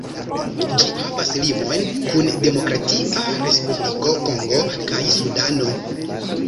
Ĝi havas limojn kun Demokratia Respubliko Kongo kaj Sudano.